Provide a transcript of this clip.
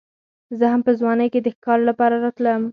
زه هم په ځوانۍ کې د ښکار لپاره راتلم.